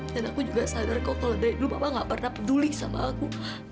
dan aku juga sadar kok kalau dari dulu papa gak pernah peduli sama aku